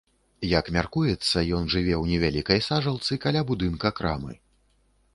Як мяркуецца, ён жыве ў невялікай сажалцы каля будынка крамы.